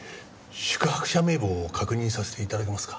宿泊者名簿を確認させて頂けますか？